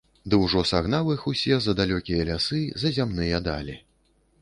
Ды ўжо сагнаў іх усе за далёкія лясы, за зямныя далі.